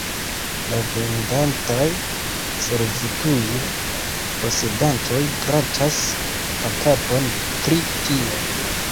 La vendantaj servutul-posedantoj gratas la kapon pri tio.